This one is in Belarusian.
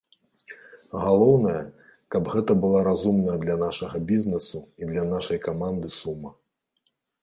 Галоўнае, каб гэта была разумная для нашага бізнесу і для нашай каманды сума.